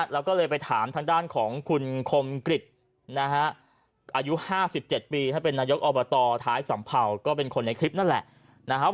แล้วก็เลยทามทางด้านของคุณคมกฤษอายุ๕๗ปีถ้าเป็นนายกออบตถายสำเผาก็เป็นคนในคลิปนั้นแหละ